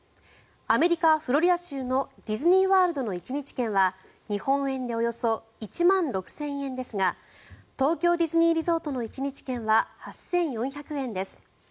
アメリカ・フロリダ州のディズニー・ワールドの１日券は日本円でおよそ１万６０００円ですが東京ディズニーリゾートの１日券は８４００円です。